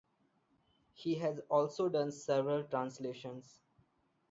He has also done several translations.